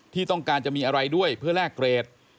ที่ต้องการจะมีอะไรด้วยเพื่อแลกเกรด